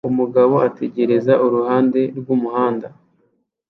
Umugabo ategereza iruhande rw'umuhanda